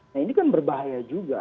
nah ini kan berbahaya juga